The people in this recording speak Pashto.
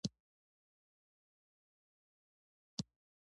دوه لینه او درې لینه سړکونه هم شتون لري